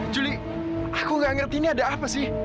juli aku gak ngerti ini ada apa sih